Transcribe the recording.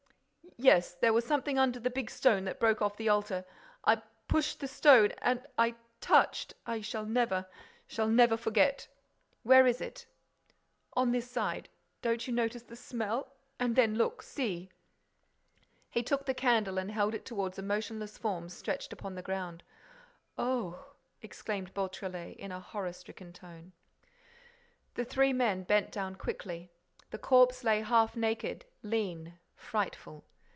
"Yes—there was something under the big stone that broke off the altar—I pushed the stone—and I touched—I shall never—shall never forget.—" "Where is it?" "On this side.—Don't you notice the smell?—And then look—see." He took the candle and held it towards a motionless form stretched upon the ground. "Oh!" exclaimed Beautrelet, in a horror stricken tone. The three men bent down quickly. The corpse lay half naked, lean, frightful.